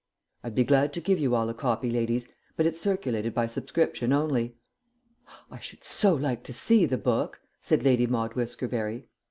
I'd be glad to give you all a copy, ladies, but it's circulated by subscription only." "I should so like to see the book," said Lady Maude Whiskerberry.